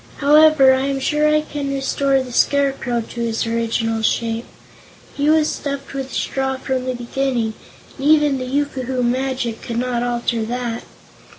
However, I am sure I can restore the Scarecrow to his original shape. He was stuffed with straw from the beginning, and even the yookoohoo magic could not alter that.